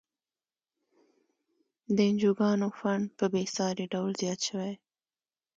د انجوګانو فنډ په بیسارې ډول زیات شوی.